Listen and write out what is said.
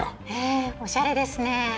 へえおしゃれですね。